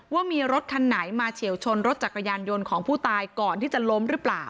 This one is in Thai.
ว่ามีรถคันไหนมาเฉียวชนรถจักรยานยนต์ของผู้ตายก่อนที่จะล้มหรือเปล่า